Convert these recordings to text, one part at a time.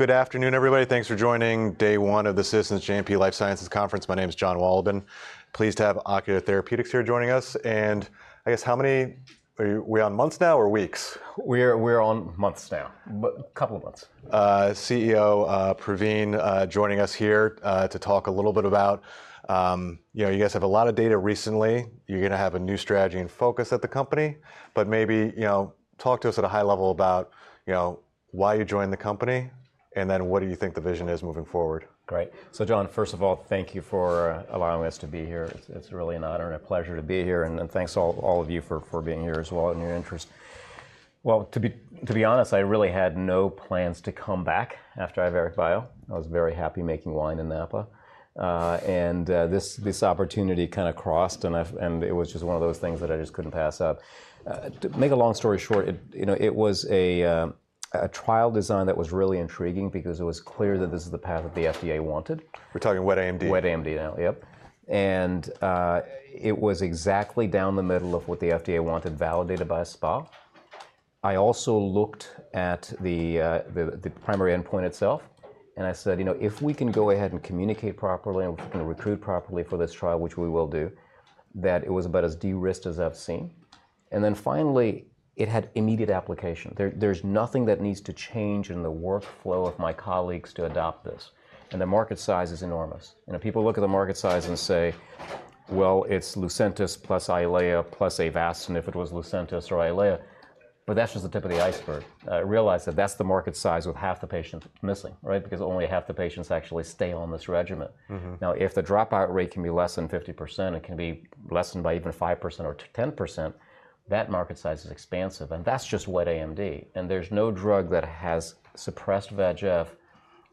Good afternoon, everybody. Thanks for joining day one of the Citizens JMP Life Sciences Conference. My name is John Wolleben. Pleased to have Ocular Therapeutix here joining us, and I guess how many are you—we on months now or weeks? We're on months now, but couple of months. CEO Pravin joining us here to talk a little bit about. You know, you guys have a lot of data recently. You're gonna have a new strategy and focus at the company, but maybe, you know, talk to us at a high level about, you know, why you joined the company, and then what do you think the vision is moving forward? Great. So John, first of all, thank you for allowing us to be here. It's really an honor and a pleasure to be here, and then thanks to all of you for being here as well, and your interest. Well, to be honest, I really had no plans to come back after Iveric Bio. I was very happy making wine in Napa. And this opportunity kind of crossed, and it was just one of those things that I just couldn't pass up. To make a long story short, you know, it was a trial design that was really intriguing because it was clear that this is the path that the FDA wanted. We're talking wet AMD. Wet AMD, now. Yep. And, it was exactly down the middle of what the FDA wanted, validated by a SPA. I also looked at the, the primary endpoint itself, and I said: "You know, if we can go ahead and communicate properly, and we can recruit properly for this trial," which we will do, that it was about as de-risked as I've seen. And then finally, it had immediate application. There, there's nothing that needs to change in the workflow of my colleagues to adopt this, and the market size is enormous. You know, people look at the market size and say: "Well, it's Lucentis plus Eylea plus Avastin if it was Lucentis or Eylea." But that's just the tip of the iceberg. Realize that that's the market size with half the patients missing, right? Because only half the patients actually stay on this regimen. Mm-hmm. Now, if the dropout rate can be less than 50%, it can be less than by even 5% or 10%, that market size is expansive, and that's just wet AMD, and there's no drug that has suppressed VEGF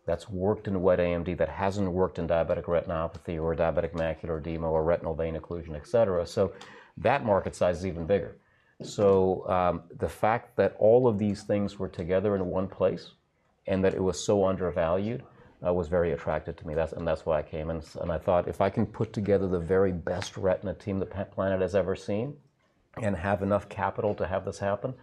that's worked in wet AMD that hasn't worked in diabetic retinopathy or diabetic macular edema or retinal vein occlusion, et cetera. So that market size is even bigger. So, the fact that all of these things were together in one place, and that it was so undervalued, was very attractive to me. That's and that's why I came, and I thought, if I can put together the very best retina team the planet has ever seen, and have enough capital to have this happen,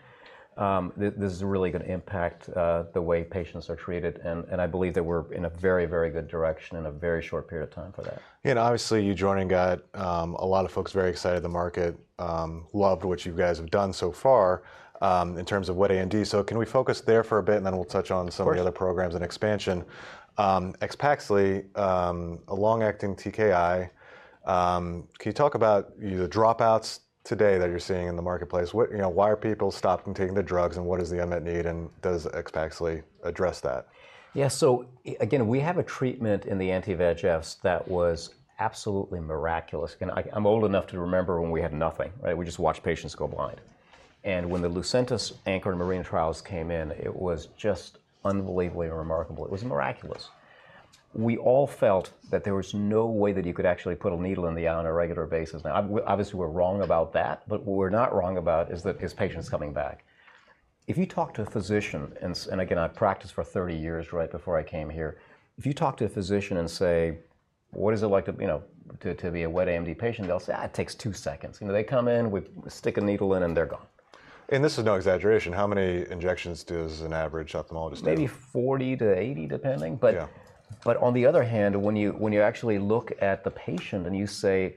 this is really gonna impact the way patients are treated, and I believe that we're in a very, very good direction in a very short period of time for that. Obviously, you joining got a lot of folks very excited. The market loved what you guys have done so far in terms of wet AMD. Can we focus there for a bit, and then we'll touch on- Of course... some of the other programs and expansion. AXPAXLI, a long-acting TKI. Can you talk about the dropouts today that you're seeing in the marketplace? What, you know, why are people stopping taking the drugs, and what is the unmet need, and does AXPAXLI address that? Yeah, so again, we have a treatment in the anti-VEGFs that was absolutely miraculous, and I'm old enough to remember when we had nothing, right? We just watched patients go blind. And when the Lucentis ANCHOR and MARINA trials came in, it was just unbelievably remarkable. It was miraculous. We all felt that there was no way that you could actually put a needle in the eye on a regular basis. Now, obviously, we're wrong about that, but what we're not wrong about is patients coming back. If you talk to a physician, and again, I practiced for 30 years, right, before I came here. If you talk to a physician and say: "What is it like to, you know, to be a wet AMD patient?" They'll say: "Ah, it takes two seconds. You know, they come in, we stick a needle in, and they're gone. This is no exaggeration. How many injections does an average ophthalmologist do? Maybe 40-80, depending. Yeah. But on the other hand, when you actually look at the patient and you say: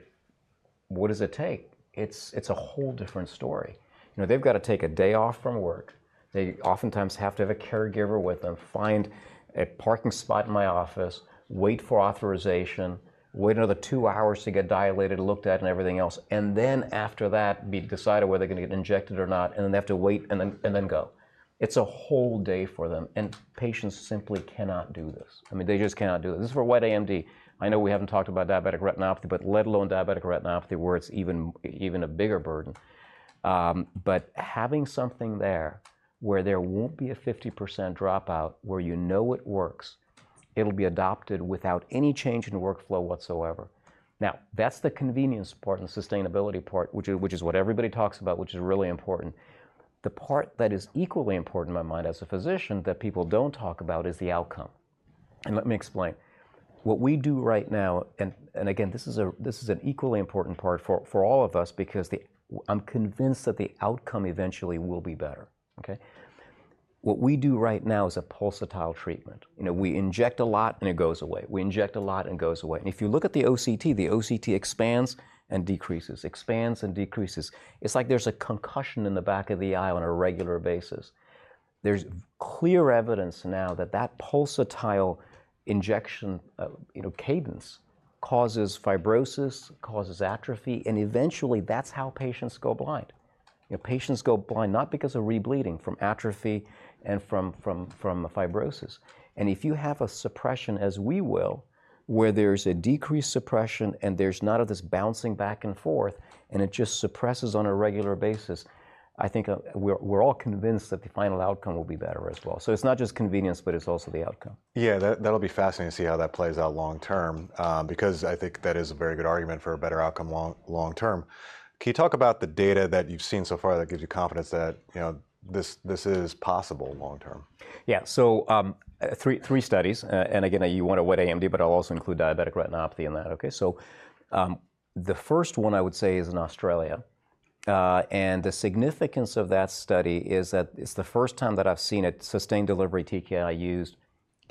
"What does it take?" It's a whole different story. You know, they've got to take a day off from work. They oftentimes have to have a caregiver with them, find a parking spot in my office, wait for authorization, wait another two hours to get dilated and looked at and everything else, and then after that, be decided whether they're gonna get injected or not, and then they have to wait, and then go. It's a whole day for them, and patients simply cannot do this. I mean, they just cannot do this. This is for wet AMD. I know we haven't talked about diabetic retinopathy, but let alone diabetic retinopathy, where it's even a bigger burden. But having something there where there won't be a 50% dropout, where you know it works, it'll be adopted without any change in workflow whatsoever. Now, that's the convenience part and the sustainability part, which is what everybody talks about, which is really important. The part that is equally important in my mind as a physician that people don't talk about is the outcome, and let me explain. What we do right now, and again, this is an equally important part for all of us because the... I'm convinced that the outcome eventually will be better, okay? What we do right now is a pulsatile treatment. You know, we inject a lot, and it goes away. We inject a lot, and it goes away. If you look at the OCT, the OCT expands and decreases, expands and decreases. It's like there's a concussion in the back of the eye on a regular basis. There's clear evidence now that that pulsatile injection, you know, cadence, causes fibrosis, causes atrophy, and eventually, that's how patients go blind. You know, patients go blind not because of rebleeding, from atrophy and from fibrosis. If you have a suppression as we will, where there's a decreased suppression, and there's none of this bouncing back and forth, and it just suppresses on a regular basis, I think, we're all convinced that the final outcome will be better as well. It's not just convenience, but it's also the outcome. Yeah, that'll be fascinating to see how that plays out long term, because I think that is a very good argument for a better outcome long, long term. Can you talk about the data that you've seen so far that gives you confidence that, you know, this is possible long term? Yeah, so, three studies, and again, you want a wet AMD, but I'll also include diabetic retinopathy in that, okay? So, the first one I would say is in Australia, and the significance of that study is that it's the first time that I've seen a sustained delivery TKI used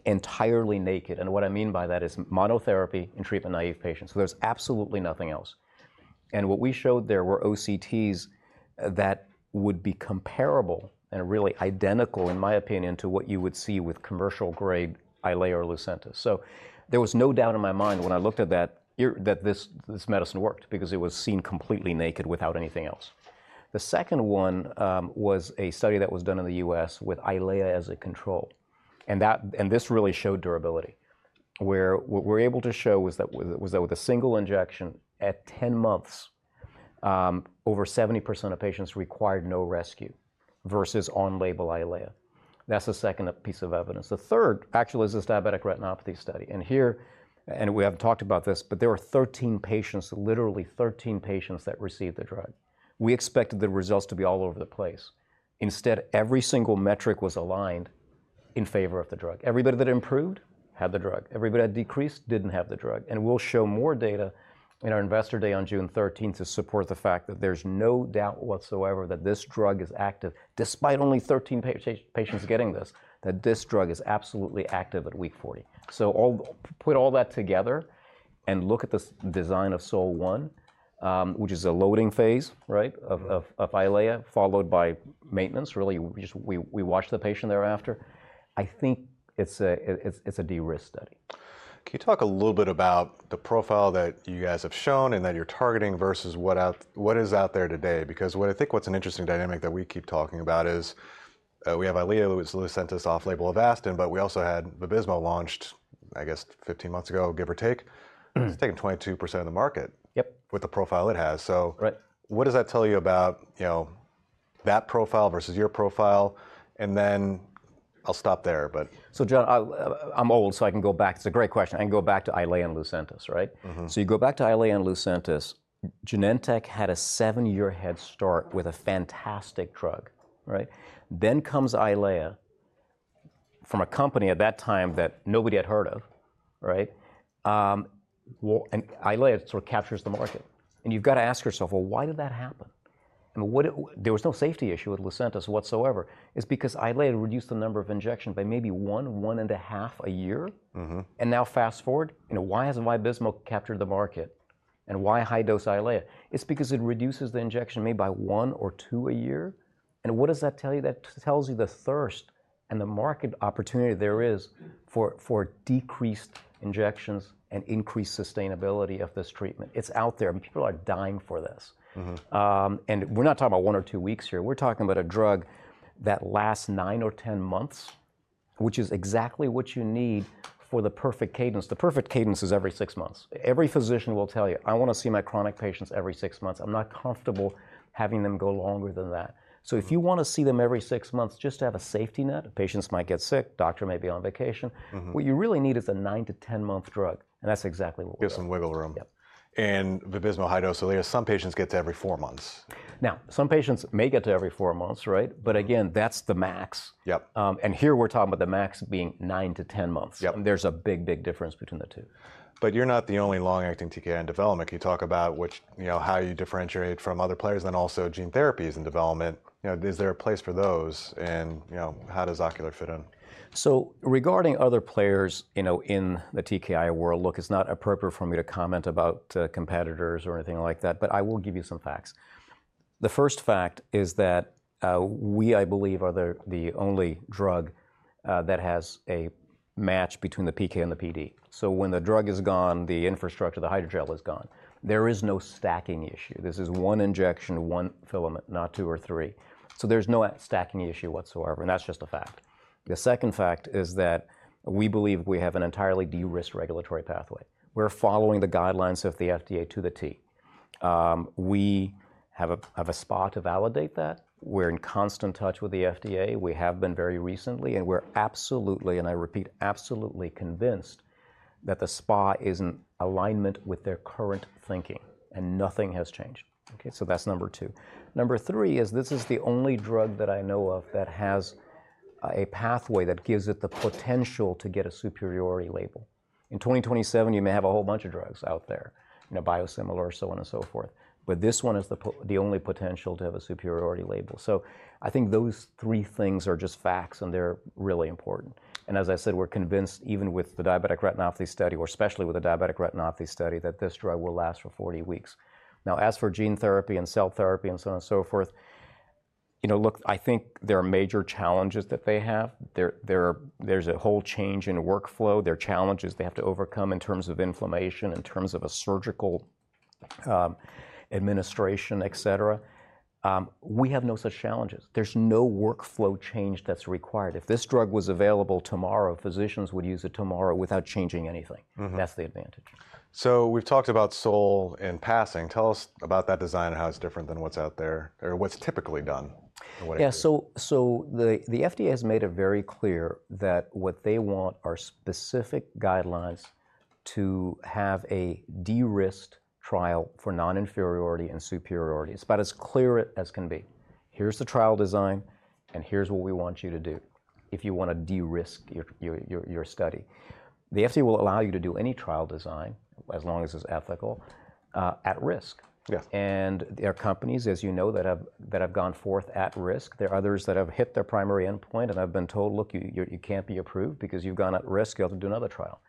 entirely naked, and what I mean by that is monotherapy in treatment-naive patients, so there's absolutely nothing else. And what we showed there were OCTs that would be comparable, and really identical, in my opinion, to what you would see with commercial-grade Eylea or Lucentis. So there was no doubt in my mind when I looked at that, that this medicine worked, because it was seen completely naked without anything else. The second one was a study that was done in the U.S. with Eylea as a control, and that... This really showed durability, where what we're able to show was that with a single injection at 10 months, over 70% of patients required no rescue versus on-label Eylea. That's the second piece of evidence. The third actually is this diabetic retinopathy study, and here, and we have talked about this, but there were 13 patients, literally 13 patients, that received the drug. We expected the results to be all over the place. Instead, every single metric was aligned in favor of the drug. Everybody that improved had the drug. Everybody that decreased didn't have the drug, and we'll show more data in our investor day on June 13th to support the fact that there's no doubt whatsoever that this drug is active, despite only 13 patients getting this, that this drug is absolutely active at week 40. So put all that together and look at the design of SOL-1, which is a loading phase, right? Mm-hmm... of Eylea, followed by maintenance, really, just we watch the patient thereafter. I think it's a de-risk study. Can you talk a little bit about the profile that you guys have shown and that you're targeting versus what is out there today? Because what I think what's an interesting dynamic that we keep talking about is, we have Eylea, Lucentis, off-label Avastin, but we also had Vabysmo launched, I guess, 15 months ago, give or take. Mm-hmm. It's taken 22% of the market- Yep... with the profile it has. So- Right... what does that tell you about, you know, that profile versus your profile? And then I'll stop there, but- So, John, I, I'm old, so I can go back... It's a great question. I can go back to Eylea and Lucentis, right? Mm-hmm. So you go back to Eylea and Lucentis, Genentech had a 7-year head start with a fantastic drug, right? Then comes Eylea from a company at that time that nobody had heard of, right? Well, and Eylea sort of captures the market, and you've got to ask yourself, "Well, why did that happen?" I mean, what—there was no safety issue with Lucentis whatsoever. It's because Eylea reduced the number of injections by maybe 1, 1.5 a year. Mm-hmm. And now fast-forward, you know, why hasn't Vabysmo captured the market, and why high-dose Eylea? It's because it reduces the injection maybe by 1 or 2 a year, and what does that tell you? That tells you the thirst and the market opportunity there is for, for decreased injections and increased sustainability of this treatment. It's out there, and people are dying for this. Mm-hmm. We're not talking about one or two weeks here. We're talking about a drug that lasts nine or 10 months, which is exactly what you need for the perfect cadence. The perfect cadence is every six months. Every physician will tell you, "I want to see my chronic patients every six months. I'm not comfortable having them go longer than that." So if you want to see them every six months just to have a safety net, patients might get sick, doctor may be on vacation. Mm-hmm... what you really need is a 9-10-month drug, and that's exactly what we have. Get some wiggle room. Yep. Vabysmo high dose, so there are some patients get to every four months. Now, some patients may get to every four months, right? But again, that's the max. Yep. Here, we're talking about the max being 9-10 months. Yep. There's a big, big difference between the two. But you're not the only long-acting TKI in development. Can you talk about which... you know, how you differentiate from other players and also gene therapies in development? You know, is there a place for those and, you know, how does Ocular fit in? So regarding other players, you know, in the TKI world, look, it's not appropriate for me to comment about competitors or anything like that, but I will give you some facts. The first fact is that we, I believe, are the only drug that has a match between the PK and the PD. So when the drug is gone, the infrastructure, the hydrogel is gone. There is no stacking issue. This is one injection, one filament, not two or three. So there's no stacking issue whatsoever, and that's just a fact. The second fact is that we believe we have an entirely de-risked regulatory pathway. We're following the guidelines of the FDA to the T. We have a SPA to validate that. We're in constant touch with the FDA. We have been very recently, and we're absolutely, and I repeat, absolutely convinced that the SPA is in alignment with their current thinking, and nothing has changed. Okay, so that's number 2. Number 3 is this is the only drug that I know of that has a pathway that gives it the potential to get a superiority label. In 2027, you may have a whole bunch of drugs out there, you know, biosimilar, so on and so forth, but this one is the only potential to have a superiority label. So I think those three things are just facts, and they're really important, and as I said, we're convinced, even with the diabetic retinopathy study, or especially with the diabetic retinopathy study, that this drug will last for 40 weeks. Now, as for gene therapy and cell therapy, and so on and so forth, you know, look, I think there are major challenges that they have. There are- there's a whole change in workflow. There are challenges they have to overcome in terms of inflammation, in terms of a surgical administration, et cetera. We have no such challenges. There's no workflow change that's required. If this drug was available tomorrow, physicians would use it tomorrow without changing anything. Mm-hmm. That's the advantage. We've talked about SOL in passing. Tell us about that design and how it's different than what's out there or what's typically done, and what it is. Yeah, so the FDA has made it very clear that what they want are specific guidelines to have a de-risked trial for non-inferiority and superiority. It's about as clear as can be... Here's the trial design, and here's what we want you to do if you wanna de-risk your study. The FDA will allow you to do any trial design, as long as it's ethical, at risk. Yes. There are companies, as you know, that have gone forth at risk. There are others that have hit their primary endpoint and have been told, "Look, you can't be approved because you've gone at risk. You'll have to do another trial."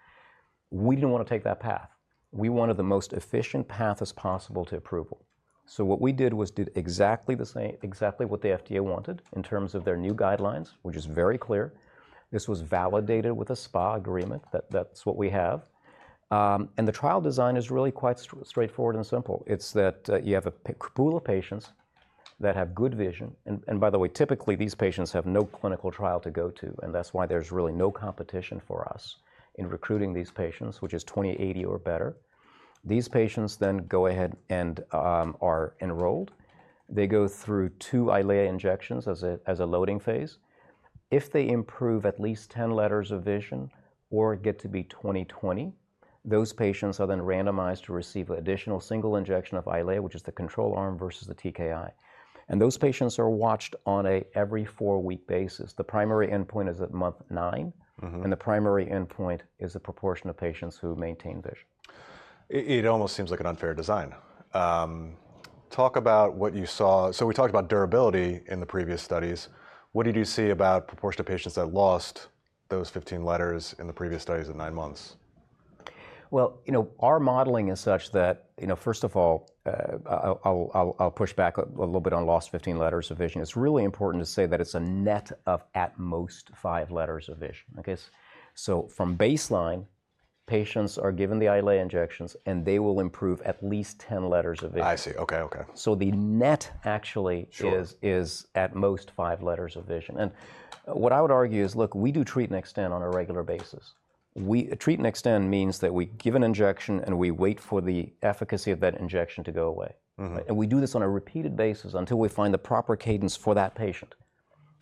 We didn't wanna take that path. We wanted the most efficient path as possible to approval. So what we did was did exactly what the FDA wanted in terms of their new guidelines, which is very clear. This was validated with a SPA agreement. That's what we have. And the trial design is really quite straightforward and simple. It's that, you have a pool of patients that have good vision... By the way, typically, these patients have no clinical trial to go to, and that's why there's really no competition for us in recruiting these patients, which is 20/80 or better. These patients then go ahead and are enrolled. They go through 2 Eylea injections as a loading phase. If they improve at least 10 letters of vision or get to be 20/20, those patients are then randomized to receive an additional single injection of Eylea, which is the control arm versus the TKI. And those patients are watched on an every 4-week basis. The primary endpoint is at month 9. Mm-hmm. The primary endpoint is the proportion of patients who maintain vision. It, it almost seems like an unfair design. Talk about what you saw. So we talked about durability in the previous studies. What did you see about proportion of patients that lost those 15 letters in the previous studies at nine months? Well, you know, our modeling is such that, you know, first of all, I'll push back a little bit on lost 15 letters of vision. It's really important to say that it's a net of at most 5 letters of vision. Okay, so from baseline, patients are given the Eylea injections, and they will improve at least 10 letters of vision. I see. Okay. Okay. So the net actually- Sure... is at most five letters of vision. And what I would argue is, look, we do treat and extend on a regular basis. We... Treat and extend means that we give an injection, and we wait for the efficacy of that injection to go away. Mm-hmm. We do this on a repeated basis until we find the proper cadence for that patient.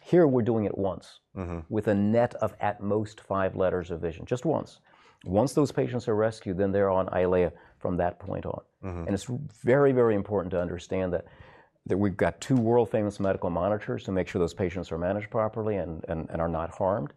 Here, we're doing it once- Mm-hmm... with a net of at most five letters of vision, just once. Once those patients are rescued, then they're on Eylea from that point on. Mm-hmm. It's very, very important to understand that, that we've got two world-famous medical monitors to make sure those patients are managed properly and, and, and are not harmed.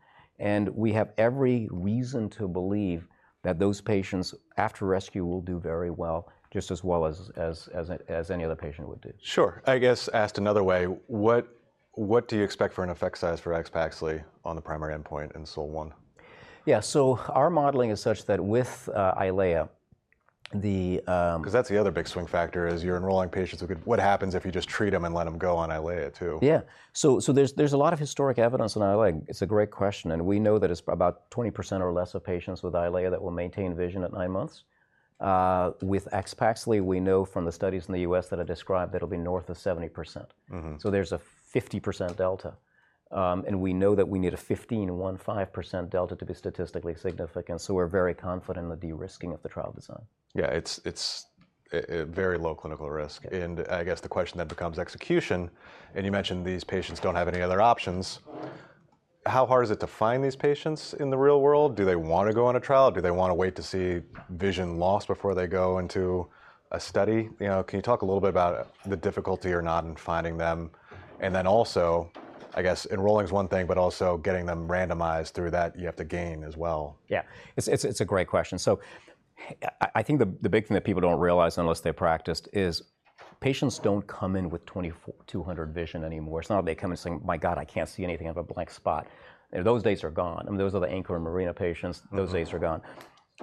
We have every reason to believe that those patients, after rescue, will do very well, just as well as, as, as, as any other patient would do. Sure. I guess, asked another way, what, what do you expect for an effect size for AXPAXLI on the primary endpoint in SOL1? Yeah, so our modeling is such that with Eylea, the- 'Cause that's the other big swing factor, is you're enrolling patients who could... What happens if you just treat them and let them go on Eylea, too? Yeah. So, there's a lot of historic evidence on Eylea. It's a great question, and we know that it's about 20% or less of patients with Eylea that will maintain vision at nine months. With AXPAXLI, we know from the studies in the U.S. that I described, it'll be north of 70%. Mm-hmm. So there's a 50% delta, and we know that we need a 15-15% delta to be statistically significant, so we're very confident in the de-risking of the trial design. Yeah, it's a very low clinical risk. Yeah. I guess the question then becomes execution, and you mentioned these patients don't have any other options. How hard is it to find these patients in the real world? Do they want to go on a trial, or do they wanna wait to see vision loss before they go into a study? You know, can you talk a little bit about the difficulty or not in finding them? And then also, I guess enrolling is one thing, but also getting them randomized through that, you have to gain as well. Yeah, it's a great question. So I think the big thing that people don't realize unless they're practiced is patients don't come in with 20/200 vision anymore. It's not like they come in saying, "My God, I can't see anything. I have a blank spot." Those days are gone. I mean, those are the anchor and marina patients. Mm-hmm. Those days are gone.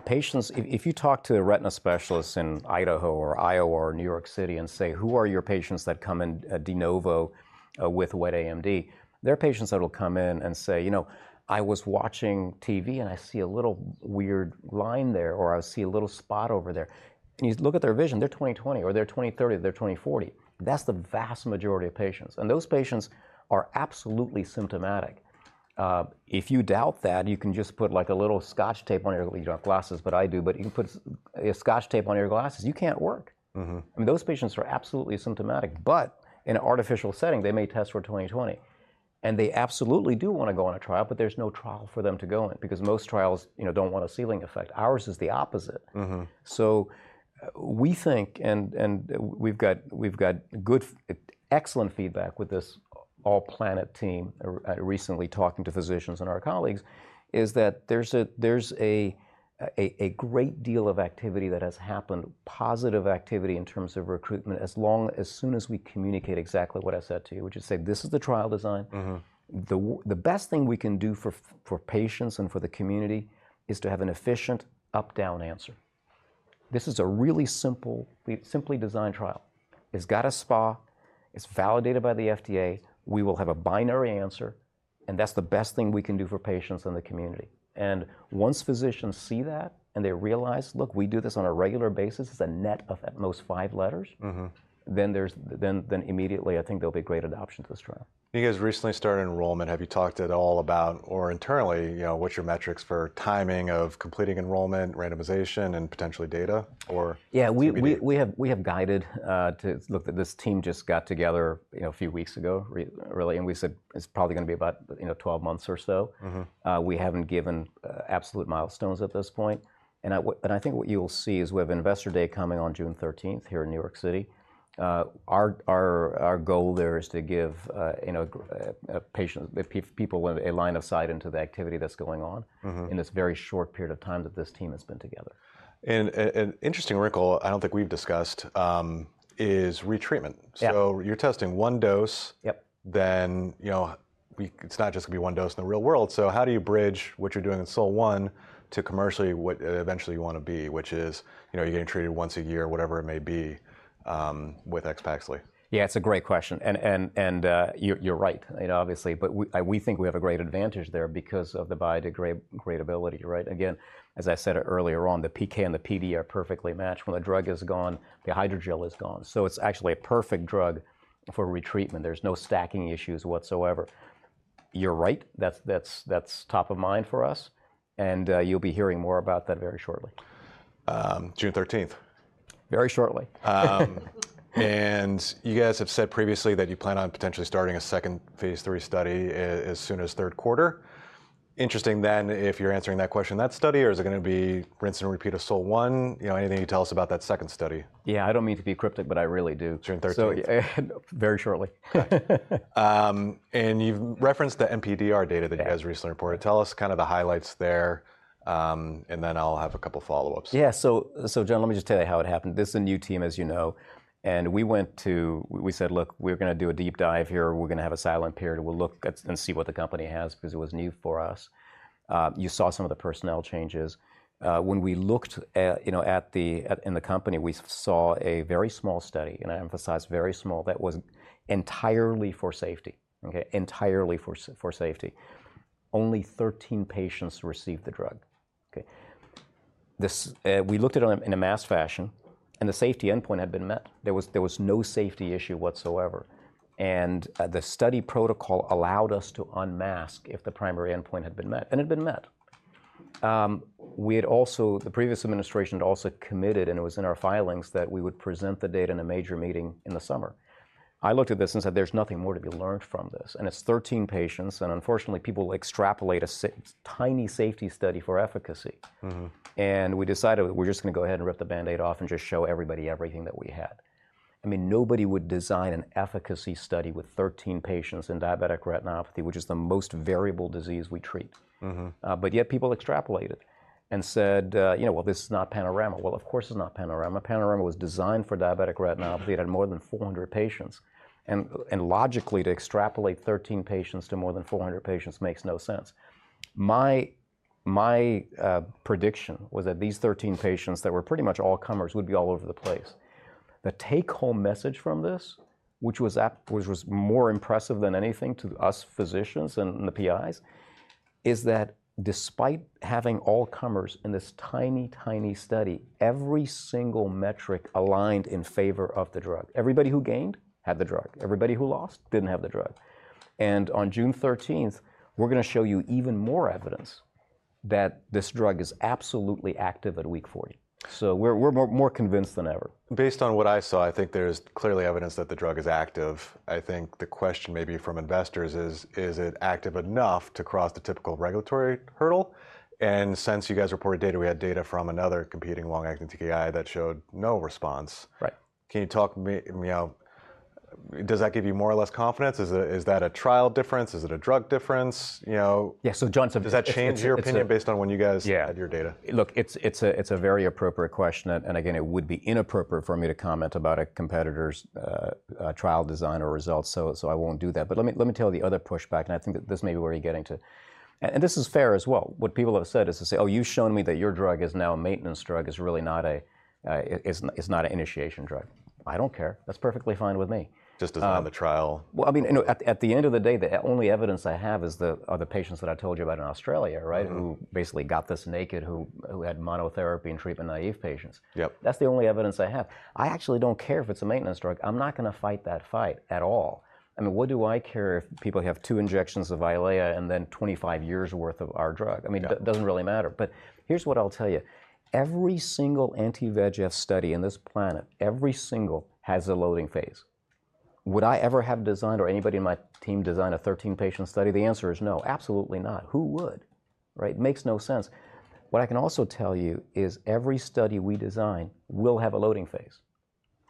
Patients... If, if you talk to a retina specialist in Idaho or Iowa or New York City and say, "Who are your patients that come in, de novo, with wet AMD?" They're patients that'll come in and say, "You know, I was watching TV, and I see a little weird line there," or, "I see a little spot over there." And you look at their vision, they're 20/20, or they're 20/30, or they're 20/40. That's the vast majority of patients, and those patients are absolutely symptomatic. If you doubt that, you can just put, like, a little Scotch tape on your... Well, you don't have glasses, but I do. But you can put Scotch tape on your glasses. You can't work. Mm-hmm. I mean, those patients are absolutely symptomatic, but in an artificial setting, they may test for 20/20. They absolutely do want to go on a trial, but there's no trial for them to go in because most trials, you know, don't want a ceiling effect. Ours is the opposite. Mm-hmm. So we think, and we've got good, excellent feedback with this all-planet team, recently talking to physicians and our colleagues, is that there's a great deal of activity that has happened, positive activity in terms of recruitment, as long as soon as we communicate exactly what I said to you, which is say, "This is the trial design. Mm-hmm. The best thing we can do for patients and for the community is to have an efficient up-down answer. This is a really simple, simply designed trial. It's got a SPA. It's validated by the FDA. We will have a binary answer, and that's the best thing we can do for patients in the community. And once physicians see that, and they realize, "Look, we do this on a regular basis, it's a net of at most five letters"- Mm-hmm ... then there's immediately, I think there'll be great adoption to this trial. You guys recently started enrollment. Have you talked at all about, or internally, you know, what's your metrics for timing of completing enrollment, randomization, and potentially data, or- Yeah-... tbd? We have guided to... Look, this team just got together, you know, a few weeks ago, really, and we said it's probably gonna be about, you know, 12 months or so. Mm-hmm. We haven't given absolute milestones at this point... and I think what you will see is we have Investor Day coming on June 13th here in New York City. Our goal there is to give, you know, people a line of sight into the activity that's going on- Mm-hmm... in this very short period of time that this team has been together. An interesting wrinkle I don't think we've discussed is retreatment. Yeah. So you're testing one dose. Yep. Then, you know, it's not just gonna be one dose in the real world, so how do you bridge what you're doing in SOL-1 to commercially what eventually you wanna be, which is, you know, you're getting treated once a year, whatever it may be, with AXPAXLI? Yeah, it's a great question, and you're right, you know, obviously. But we think we have a great advantage there because of the biodegradability, right? Again, as I said earlier on, the PK and the PD are perfectly matched. When the drug is gone, the hydrogel is gone, so it's actually a perfect drug for retreatment. There's no stacking issues whatsoever. You're right. That's top of mind for us, and you'll be hearing more about that very shortly. June 13th. Very shortly. You guys have said previously that you plan on potentially starting a second phase III study as soon as third quarter. Interesting then if you're answering that question in that study, or is it gonna be rinse and repeat of SOL-1? You know, anything you can tell us about that second study? Yeah, I don't mean to be cryptic, but I really do. June 13th. Very shortly. You've referenced the MPDR data- Yeah... that you guys recently reported. Tell us kind of the highlights there, and then I'll have a couple follow-ups. Yeah, so John, let me just tell you how it happened. This is a new team, as you know, and we went to... We said, "Look, we're gonna do a deep dive here. We're gonna have a silent period. We'll look at and see what the company has," because it was new for us. You saw some of the personnel changes. When we looked at, you know, at the, at, in the company, we saw a very small study, and I emphasize very small, that was entirely for safety, okay? Entirely for safety. Only 13 patients received the drug, okay? This... We looked at it in a masked fashion, and the safety endpoint had been met. There was no safety issue whatsoever, and the study protocol allowed us to unmask if the primary endpoint had been met, and it had been met. We had also... The previous administration had also committed, and it was in our filings, that we would present the data in a major meeting in the summer. I looked at this and said, "There's nothing more to be learned from this," and it's 13 patients, and unfortunately, people extrapolate a tiny safety study for efficacy. Mm-hmm. We decided that we're just gonna go ahead and rip the Band-Aid off and just show everybody everything that we had. I mean, nobody would design an efficacy study with 13 patients in diabetic retinopathy, which is the most variable disease we treat. Mm-hmm. But yet, people extrapolated and said, "You know, well, this is not PANORAMA." Well, of course, it's not PANORAMA. PANORAMA was designed for diabetic retinopathy and had more than 400 patients, and logically, to extrapolate 13 patients to more than 400 patients makes no sense. My prediction was that these 13 patients, that were pretty much all comers, would be all over the place. The take-home message from this, which was more impressive than anything to us physicians and the PIs, is that despite having all comers in this tiny, tiny study, every single metric aligned in favor of the drug. Everybody who gained had the drug. Everybody who lost didn't have the drug, and on June 13th, we're gonna show you even more evidence that this drug is absolutely active at week 40. So we're more convinced than ever. Based on what I saw, I think there's clearly evidence that the drug is active. I think the question maybe from investors is, is it active enough to cross the typical regulatory hurdle? Since you guys reported data, we had data from another competing long-acting TKI that showed no response. Right. Can you talk me, I mean, how... Does that give you more or less confidence? Is, is that a trial difference? Is it a drug difference? You know- Yeah, so John, Does that change your opinion based on when you guys? Yeah... had your data? Look, it's a very appropriate question, and again, it would be inappropriate for me to comment about a competitor's trial design or results, so I won't do that. But let me tell you the other pushback, and I think that this may be where you're getting to, and this is fair as well. What people have said is they say, "Oh, you've shown me that your drug is now a maintenance drug. It's really not an initiation drug." I don't care. That's perfectly fine with me. Just as on the trial- Well, I mean, you know, at the end of the day, the only evidence I have are the patients that I told you about in Australia, right? Mm-hmm. Who basically got this naked, who had monotherapy in treatment-naïve patients? Yep. That's the only evidence I have. I actually don't care if it's a maintenance drug. I'm not gonna fight that fight at all. I mean, what do I care if people have two injections of EYLEA and then 25 years' worth of our drug? Yeah. I mean, it doesn't really matter. But here's what I'll tell you. Every single anti-VEGF study on this planet, every single, has a loading phase. Would I ever have designed or anybody on my team design a 13-patient study? The answer is no, absolutely not. Who would? Right? Makes no sense. What I can also tell you is every study we design will have a loading phase.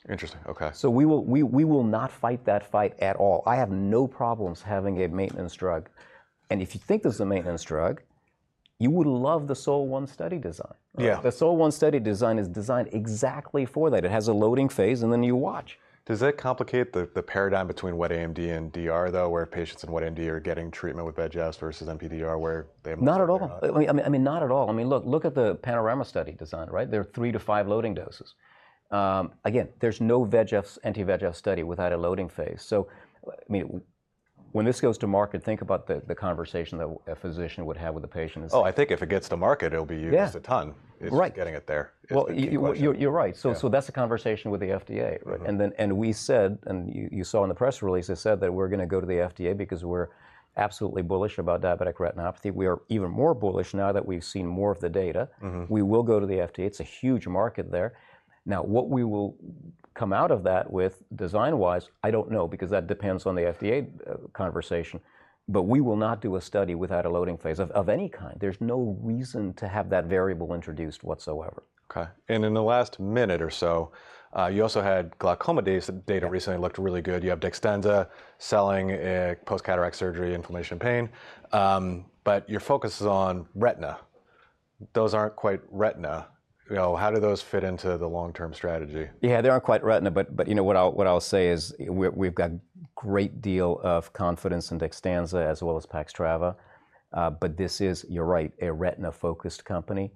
Interesting. Okay. So we will not fight that fight at all. I have no problems having a maintenance drug, and if you think this is a maintenance drug, you would love the SOL-1 study design. Yeah. The SOL-1 study design is designed exactly for that. It has a loading phase, and then you watch. Does that complicate the paradigm between wet AMD and DR, though, where patients in wet AMD are getting treatment with VEGF versus MPDR, where they have more- Not at all. I mean, not at all. I mean, look at the PANORAMA study design, right? There are 3-5 loading doses. Again, there's no VEGF, anti-VEGF study without a loading phase. So, I mean, when this goes to market, think about the conversation that a physician would have with the patients. Oh, I think if it gets to market, it'll be used a ton. Yeah. Right. It's "getting it there" is the key question. Well, you're right. Yeah. So, that's a conversation with the FDA. Mm-hmm. And we said, you saw in the press release, I said that we're gonna go to the FDA because we're absolutely bullish about diabetic retinopathy. We are even more bullish now that we've seen more of the data. Mm-hmm. We will go to the FDA. It's a huge market there. Now, what we will come out of that with, design-wise, I don't know, because that depends on the FDA conversation. But we will not do a study without a loading phase of any kind. There's no reason to have that variable introduced whatsoever. Okay, and in the last minute or so, you also had glaucoma data. Recently, it looked really good. You have DEXTENZA selling, post-cataract surgery inflammation and pain. But your focus is on retina. Those aren't quite retina. You know, how do those fit into the long-term strategy? Yeah, they aren't quite retina, but, you know, what I'll say is we've got great deal of confidence in DEXTENZA as well as PAXTRAVA. But this is, you're right, a retina-focused company.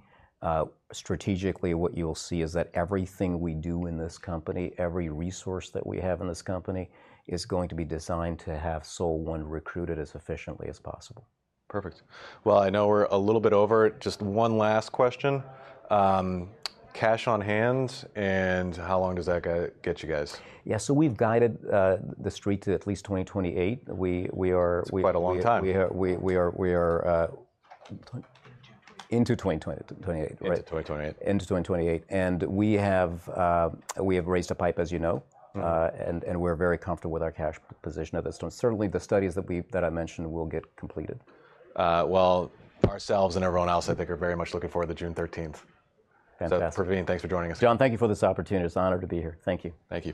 Strategically, what you'll see is that everything we do in this company, every resource that we have in this company, is going to be designed to have SOL-1 recruited as efficiently as possible. Perfect. Well, I know we're a little bit over. Just one last question: cash on hand, and how long does that get you guys? Yeah, so we've guided the street to at least 2028. We are, we- That's quite a long time. We are 20- Into '28. Into 2028. Into 2028. Into 2028, and we have raised a PIPE, as you know. Mm-hmm. and we're very comfortable with our cash position at this time. Certainly, the studies that I mentioned will get completed. Well, ourselves and everyone else, I think, are very much looking forward to June 13th. Fantastic. Pravin, thanks for joining us. John, thank you for this opportunity. It's an honor to be here. Thank you. Thank you.